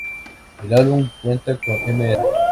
El álbum cuenta con Mr.